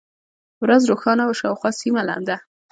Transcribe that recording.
ورځ روښانه وه، شاوخوا سیمه لنده.